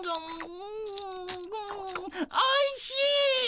おいしい！